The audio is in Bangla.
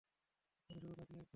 উপরে শুধু তাকিয়ে একবার দেখুন!